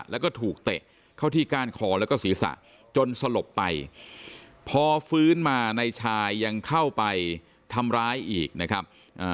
แล้วก็ถูกเตะเข้าที่ก้านคอแล้วก็ศีรษะจนสลบไปพอฟื้นมานายชายยังเข้าไปทำร้ายอีกนะครับ